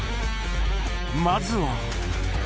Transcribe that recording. ［まずは］